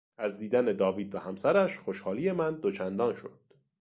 از دیدن داوید و همسرش خوشحالی من دو چندان شد.